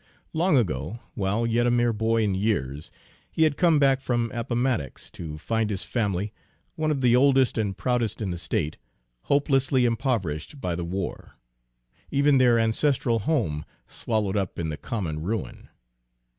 Long ago, while yet a mere boy in years, he had come back from Appomattox to find his family, one of the oldest and proudest in the state, hopelessly impoverished by the war, even their ancestral home swallowed up in the common ruin.